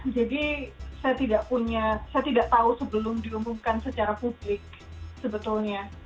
jadi saya tidak punya saya tidak tahu sebelum diumumkan secara publik sebetulnya